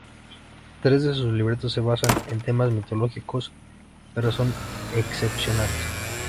Tres de sus libretos se basan en temas mitológicos, pero son excepciones.